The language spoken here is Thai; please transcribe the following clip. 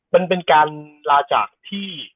มันเป็นการลาจากที่